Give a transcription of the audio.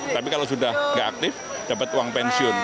tapi kalau sudah tidak aktif dapat uang pensiun